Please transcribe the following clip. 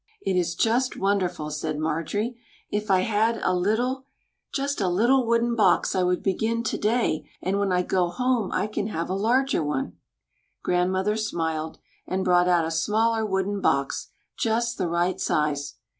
"It is just wonderful!" said Marjorie. "If I had a little just a little wooden box, I would begin today, and when I go home I can have a larger one." Grandmother smiled, and brought out a smaller wooden box, just the right size.